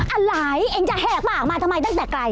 อะไรเองจะแหกปากมาทำไมตั้งแต่ไกล